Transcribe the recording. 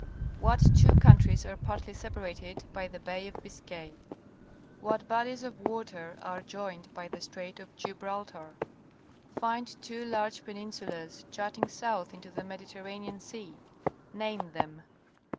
What two countries are partly separated by the Bay of Biscay ? What bodies of water are joined by the Strait of Gihraltar? Find two large peninsulas jutting south into the Mediterranean Sea. Name them.